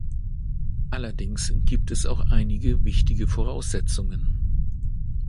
Allerdings gibt es auch einige wichtige Voraussetzungen.